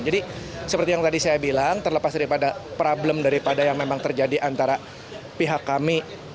jadi seperti yang tadi saya bilang terlepas dari pada problem dari pada yang memang terjadi antara pihak kami